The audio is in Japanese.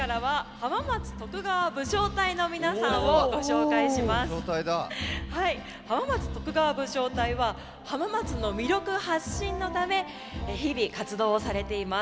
浜松徳川武将隊は浜松の魅力発信のため日々活動をされています。